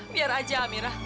biar aja amira